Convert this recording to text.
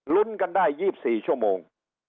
ลุ้นกันได้๒๔ชั่วโมง